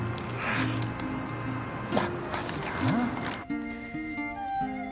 やっぱしな。